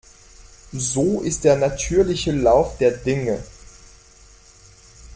So ist der natürliche Lauf der Dinge.